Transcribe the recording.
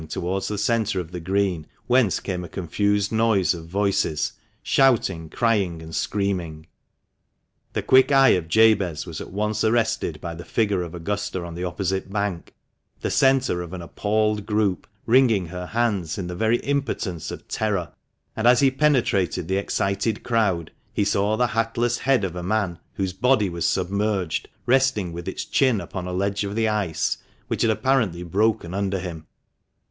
towards the centre of the Green, whence came a confused noise of voices, shouting, crying, and screaming. The quick eye of Jabez was at once arrested by the figure of Augusta on the opposite bank, the centre of an appalled group, wringing her hands in the very impotence of terror, and as he penetrated the excited crowd, he saw the hatless head of a man, whose body was submerged, resting with its chin upon a ledge of the ice, which had apparently broken under him.